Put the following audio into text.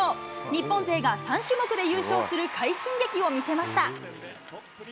日本勢が３種目で優勝する快進撃を見せました。